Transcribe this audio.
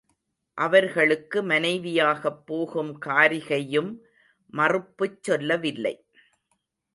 அவர்களுக்கு மனைவியாகப் போகும் காரிகையும் மறுப்புச் சொல்லவில்லை.